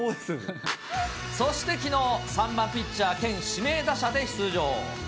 そしてきのう、３番ピッチャー兼指名打者で出場。